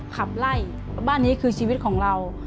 ขับไล่บ้านนี้คือชีวิตของเรา